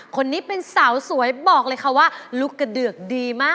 คนนี้เป็นสาวสวยบอกเลยค่ะว่า